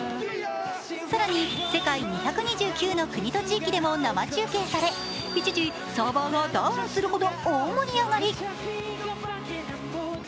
更に世界２２９の国と地域でも生中継され、一時、サーバーがダウンするほど大盛り上がり。